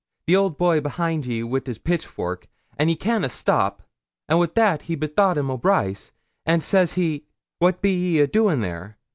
The old boy's behind ye wi' his pitchfork, and ye canna stop." An' wi' that he bethought him o' Brice, and says he, "What be ye a doin' there?